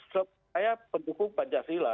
saya pendukung pancasila